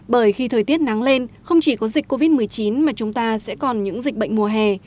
bởi khi thời tiết nắng lên không chỉ có dịch covid một mươi chín mà chúng ta sẽ còn những dịch bệnh mùa hè